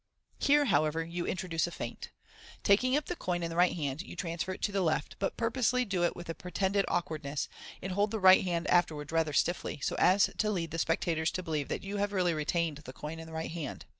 Here, however, you introduce a feint. Taking up the coin in the right hand, you transfer it to the left, but purposely do it with a pre tended awkwardness, and hold the right hand afterwards rather stiffly, so as to lead the spectators to believe that you have really retained the coin in the right hand.